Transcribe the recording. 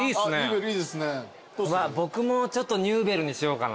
僕もちょっとニューベルにしようかな。